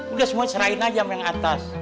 udah semua cerahin aja sama yang atas